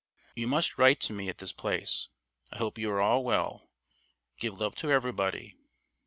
] "You must write to me at this place. I hope you are all well. Give love to everybody.